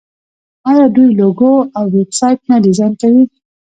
آیا دوی لوګو او ویب سایټ نه ډیزاین کوي؟